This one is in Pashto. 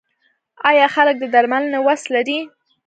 آیا خلک د درملنې وس لري؟